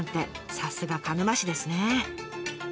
さすが鹿沼市ですね。